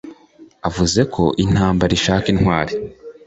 avuze ko intambara ishaka intwari